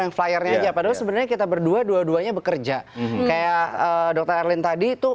yang flyernya aja padahal sebenarnya kita berdua dua duanya bekerja kayak dokter erlin tadi itu